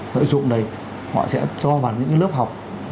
sử dụng đây họ sẽ cho vào những lớp học